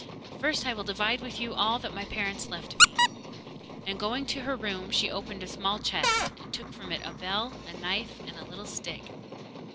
But first I will divide with you all that my parents left me,' and going to her room, she opened a small chest, and took from it a bell, a knife, and a little stick.